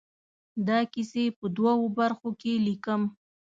دا کیسې په دوو برخو کې ليکم.